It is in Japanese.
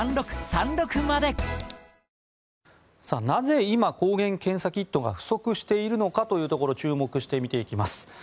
なぜ今抗原検査キットが不足しているのかというところ注目して見ていきます。